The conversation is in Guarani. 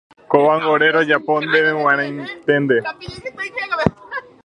Kóvango ore rojapo ndéve g̃uarãiténte.